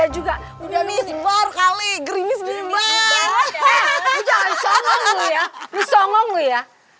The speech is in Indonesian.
juga udah misbar kali gerimis berubah